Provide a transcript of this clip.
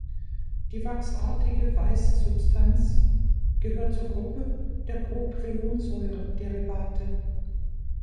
Die wachsartige weiße Substanz gehört zur Gruppe der Propionsäure-Derivate.